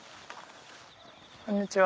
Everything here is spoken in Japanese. こんにちは。